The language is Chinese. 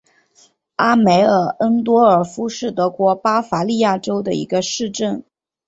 阿梅尔恩多尔夫是德国巴伐利亚州的一个市镇。